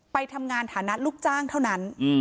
ไปทำงานฐานะลูกจ้างเท่านั้น